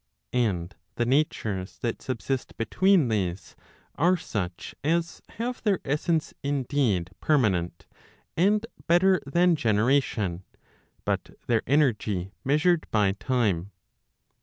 And the natures that subsist between these, are such as have their essence indeed permanent, and better than generation, but their energy measured by time.